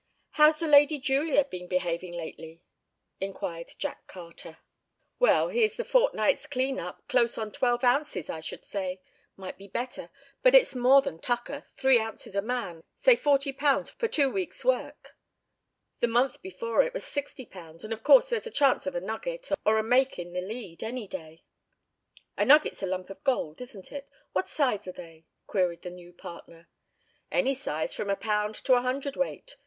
"How's the 'Lady Julia' been behaving lately?" inquired Jack Carter. "Well, here's the fortnight's clean up, close on twelve ounces, I should say. Might be better, but it's more than tucker, three ounces a man, say £40 for two weeks' work. The month before it was £60, and of course, there's a chance of a nugget, or a make in the lead, any day!" "A nugget's a lump of gold, isn't it? What size are they?" queried the new partner. "Any size from a pound to a hundredweight.